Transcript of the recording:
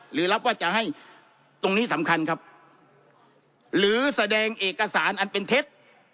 รับว่าจะให้ตรงนี้สำคัญครับหรือแสดงเอกสารอันเป็นเท็จ